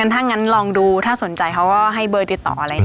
ถ้างั้นลองดูถ้าสนใจเขาก็ให้เบอร์ติดต่อ